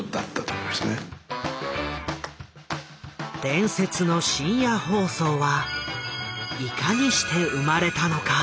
伝説の深夜放送はいかにして生まれたのか？